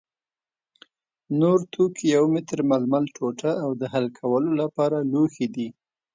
نور توکي یو متر ململ ټوټه او د حل کولو لپاره لوښي دي.